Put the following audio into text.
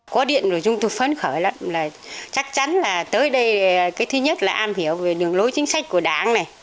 có điện của chúng tôi phấn khởi lắm chắc chắn là tới đây thứ nhất là am hiểu về đường lối chính sách của đảng này